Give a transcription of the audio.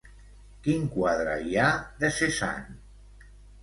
Quin quadre hi ha de Cézanne?